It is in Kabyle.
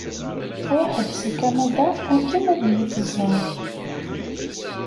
Truḥ-d si Kanada akken ad yi-tẓer.